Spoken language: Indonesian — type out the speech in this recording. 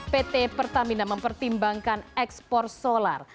pt pertamina mempertimbangkan ekspor solar